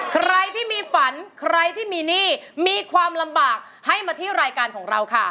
ใครที่มีฝันใครที่มีหนี้มีความลำบากให้มาที่รายการของเราค่ะ